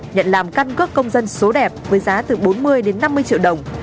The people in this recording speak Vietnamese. nhận làm căn cước công dân số đẹp với giá từ bốn mươi đến năm mươi triệu đồng